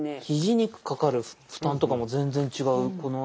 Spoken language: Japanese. ひじにかかる負担とかも全然違う。